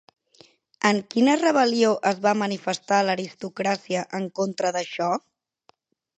En quina rebel·lió es va manifestar l'aristocràcia en contra d'això?